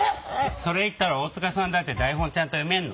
それ言ったら大塚さんだって台本ちゃんと読めるの？